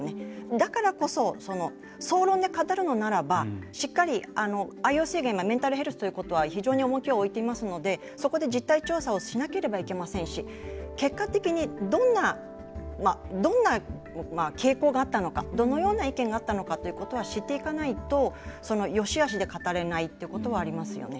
だからこそ、総論で語るのならばしっかり、ＩＯＣが今メンタルヘルスということは非常に重きを置いていますのでそこで実態調査をしなければいけませんし結果的にどんな傾向があったのかどのような意見があったのかということは知っていかないとそのよしあしで語れないということはありますよね。